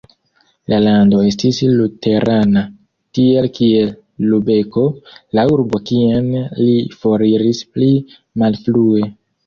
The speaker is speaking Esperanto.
La lando estis luterana, tiel kiel Lubeko, la urbo kien li foriris pli malfrue.